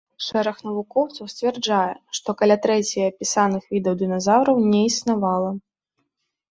Шэраг навукоўцаў сцвярджае, што каля трэці апісаных відаў дыназаўраў не існавала.